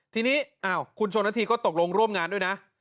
ทีนี้คุณชนนาธีก็ตกลงร่วมงานด้วยนะ